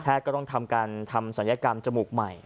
แพทย์ก็ต้องทำการทำสัญญากรรมจมูกใหม่